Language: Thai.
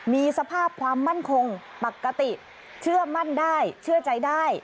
มีสภาพความมั่นคงปกติเชื่อมั่นได้เชื่อใจได้